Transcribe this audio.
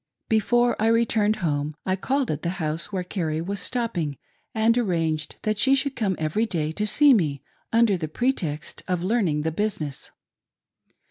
Before I returned home, I called at the house where Carrie was stopping, and arranged that she should come every day to see me, under pretext of learning the business.